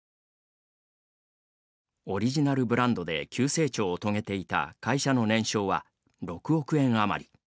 オリジナルブランドで急成長を遂げていた会社の年商は６億円余り。